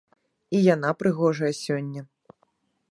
І яна прыгожая сёння!